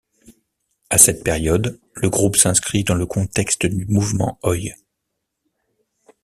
À cette période, le groupe s'inscrit dans le contexte du mouvement oi!